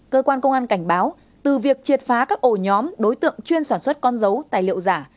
cơ quan công an cảnh báo từ việc triệt phá các ổ nhóm đối tượng chuyên sản xuất con dấu tài liệu giả